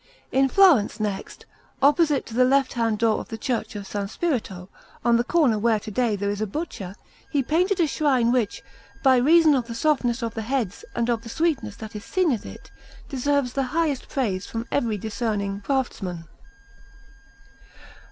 In Florence, next, opposite to the left hand door of the Church of S. Spirito, on the corner where to day there is a butcher, he painted a shrine which, by reason of the softness of the heads and of the sweetness that is seen in it, deserves the highest praise from every discerning craftsman.